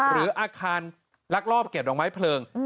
หรืออาคารลักลอบเก็บดอกไม้เพลิง